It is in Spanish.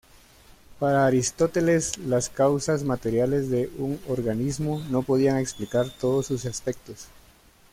Para Aristóteles, las "causas materiales" de un organismo, no podían explicar todos sus aspectos.